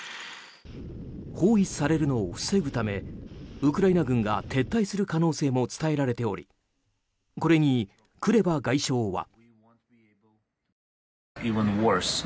包囲されるのを防ぐためウクライナ軍が撤退する可能性も伝えられておりこれに、クレバ外相は。